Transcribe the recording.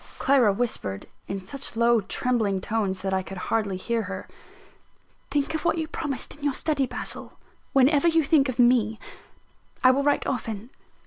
Clara whispered (in such low, trembling tones that I could hardly hear her): "Think of what you promised in your study, Basil, whenever you think of me: I will write often."